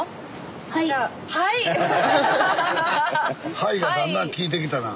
「はい」がだんだんきいてきたな。